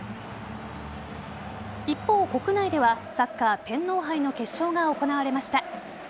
一方国内ではサッカー天皇杯の決勝が行われました。